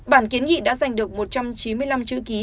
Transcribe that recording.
bản kiến nghị đã giành được một trăm chín mươi năm chữ ký